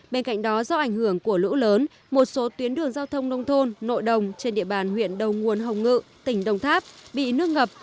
bên cạnh đó do ảnh hưởng của lũ lớn một số tuyến đường giao thông nông thôn nội đồng trên địa bàn huyện đầu nguồn hồng ngự tỉnh đồng tháp bị nước ngập